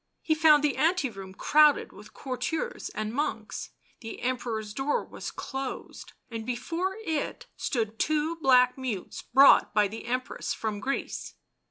He fo un d the ante room crowded with courtiers and monks; the Emperor's door was closed, and before it stood two black mutes brought by the Empress from Greece.